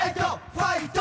ファイト！